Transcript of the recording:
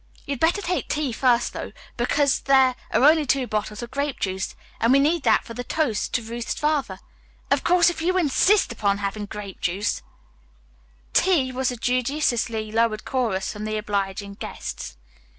"You'd better take tea first, though, because there are only two bottles of grape juice, and we need that for the toast to Ruth's father. Of course if you insist upon having grape juice " "Tea," was the judiciously lowered chorus from the obliging guests.